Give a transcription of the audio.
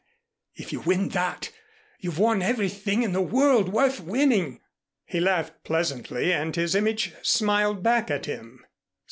If you win that, you've won everything in the world worth winning." He laughed pleasantly and his image smiled back at him.